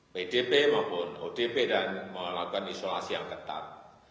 pdp maupun odp dan melakukan isolasi yang ketat